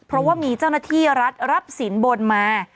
เพราะว่ามีเจ้าหน้าที่รัฐรับสินบนมา